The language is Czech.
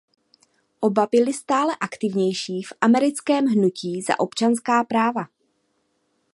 Oba byli stále aktivnější v americkém hnutí za občanská práva.